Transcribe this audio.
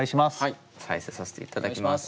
再生させていただきます。